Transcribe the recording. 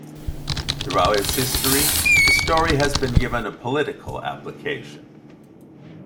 Throughout its history, the story has been given a political application.